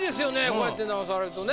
こうやって直されるとね。